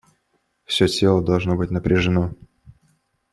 Все тело должно быть напряжено.